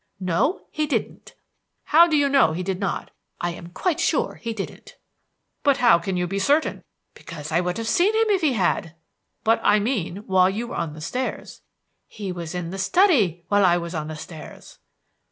"No, he didn't." "How do you know he did not?" "I am quite sure he didn't." "But how can you be certain?" "Because I should have seen him if he had." "But I mean when you were on the stairs." "He was in the study when I was on the stairs."